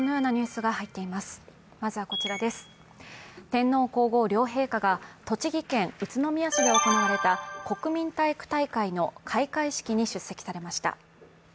天皇皇后両陛下が栃木県宇都宮市で行われた国民体育大会の開会式に出席されました。